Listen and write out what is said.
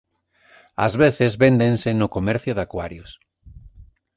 Ás veces véndense no comercio de acuarios.